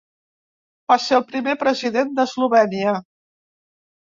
Va ser el primer President d'Eslovènia.